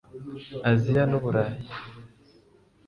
Aziya n’u Burayi